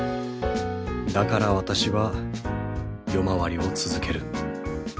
だから私は夜廻りを続ける。